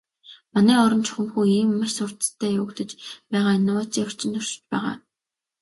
Манай орон чухамхүү ийм маш хурдацтай явагдаж байгаа инновацийн орчинд оршиж байна.